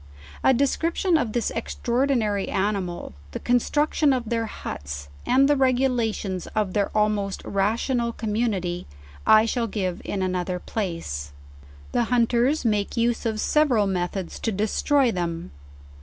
A de scription of this extraordinary animal, the construction of their huts, and the regulations of their almost rational com munity, 1 shall give in another place. The hunters make use of several methods to destroy them.